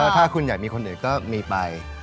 ถ้าคุณอยากมีคนอื่นก็มีไป